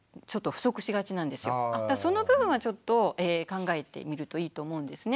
その分はちょっと考えてみるといいと思うんですね。